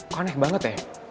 konek banget ya